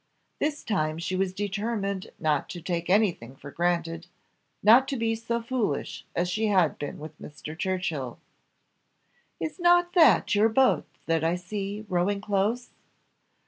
This time she was determined not to take anything for granted, not to be so foolish as she had been with Mr. Churchill. "Is not that your boat that I see, rowing close?"